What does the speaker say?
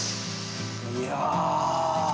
いやぁ。